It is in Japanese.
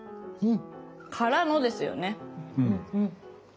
からのですよね。